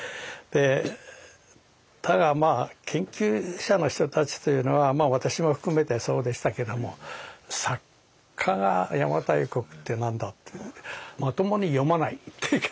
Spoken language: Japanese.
ただまあ研究者の人たちというのは私も含めてそうでしたけども作家が邪馬台国って何だっていうのでまともに読まない。